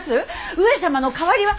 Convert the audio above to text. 上様の代わりは。